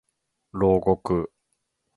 牢獄